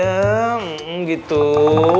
enggak boleh ngantuk